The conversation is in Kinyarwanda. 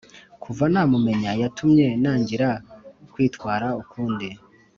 Kuva namumenya yatumye nangira kwitwara ukundi